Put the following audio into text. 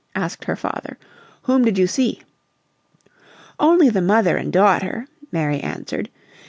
asked her father. "Whom did you see?" "Only the mother and daughter," Mary answered.